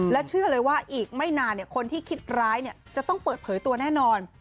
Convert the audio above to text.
และเชื่อเลยว่าอีกไม่นานคนที่คิดร้ายจะต้องเปิดเผยตัวแน่นอน